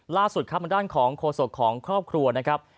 ล่าสุดครับทางด้านของโฆษกของครอบครัวนะครับ